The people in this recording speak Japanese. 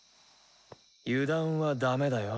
油断はだめだよ。